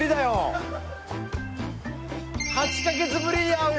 ８カ月ぶりに会うよ。